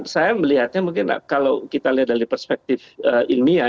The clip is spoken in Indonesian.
saya melihatnya mungkin kalau kita lihat dari perspektif ilmiah